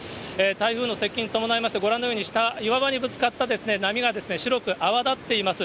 台風の接近に伴いまして、ご覧のように下、岩場にぶつかった波が白く泡立っています。